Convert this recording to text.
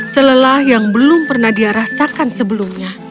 selelah yang belum pernah dia rasakan sebelumnya